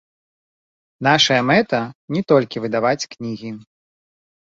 Нашая мэта не толькі выдаваць кнігі.